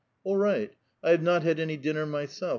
"All right! I have not had any dinner myself.